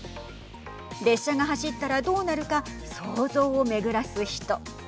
列車が走ったらどうなるか想像を巡らす人。